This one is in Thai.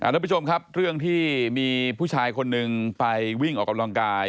ทุกผู้ชมครับเรื่องที่มีผู้ชายคนหนึ่งไปวิ่งออกกำลังกาย